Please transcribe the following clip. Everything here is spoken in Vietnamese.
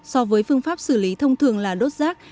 so với phương pháp xử lý thông thường là đốt rác